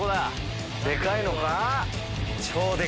でかいのか？